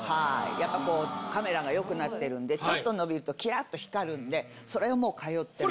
やっぱこうカメラが良くなってるんでちょっと伸びるとキラッと光るんでそれはもう通っています。